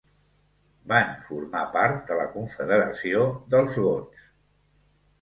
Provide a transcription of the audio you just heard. Van formar part de la Confederació dels gots.